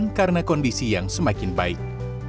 harga perusahaan ini sudah mendapatkan perusahaan yang lebih baik